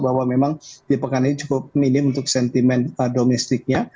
bahwa memang di pekan ini cukup minim untuk sentimen domestiknya